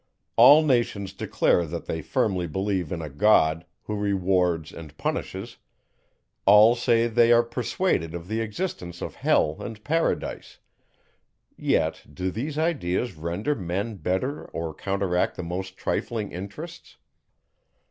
All nations declare that they firmly believe in a God, who rewards and punishes; all say they are persuaded of the existence of hell and paradise; yet, do these ideas render men better or counteract the most trifling interests?